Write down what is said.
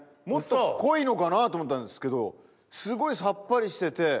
もっと濃いのかなと思ったんですけどすごいさっぱりしてて。